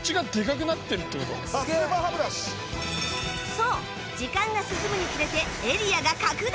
そう時間が進むにつれてエリアが拡大